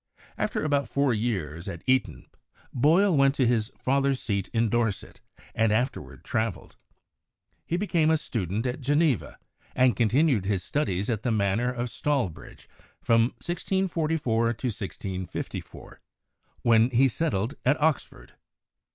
After about four years at Eton, Boyle went to his father's seat in Dorset and afterward traveled. He be came a student at Geneva and continued his studies at the manor of Stalbridge from 1644 to 1654, when he settled at Oxford.